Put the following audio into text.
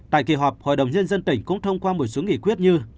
tại kỳ họp hội đồng nhân dân tỉnh cũng thông qua một số nghị quyết như